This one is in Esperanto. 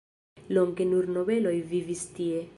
Longe nur nobeloj vivis tie.